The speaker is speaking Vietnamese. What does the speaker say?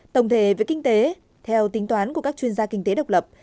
tổng thể về kinh tế theo tính toán của các chuyên gia kinh tế độc lập